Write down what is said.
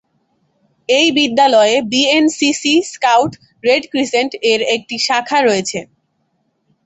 এই বিদ্যালয়ে B N C C, scout, red crescent এর এক একটি শাখা রয়েছে।